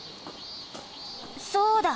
そうだ！